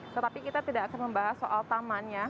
tetapi kita tidak akan membahas soal tamannya